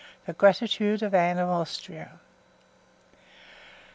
The Gratitude of Anne of Austria.